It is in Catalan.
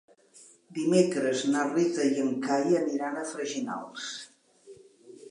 Dimecres na Rita i en Cai aniran a Freginals.